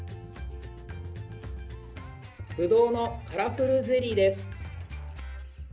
ぶどうのカラフルゼリーです。